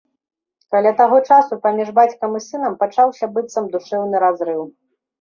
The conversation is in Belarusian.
Каля таго часу паміж бацькам і сынам пачаўся быццам душэўны разрыў.